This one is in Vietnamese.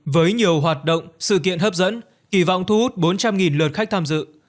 với nhiều hoạt động sự kiện hấp dẫn kỳ vọng thu hút bốn trăm linh lượt khách tham dự